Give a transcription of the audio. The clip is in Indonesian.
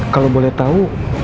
kalau boleh tahu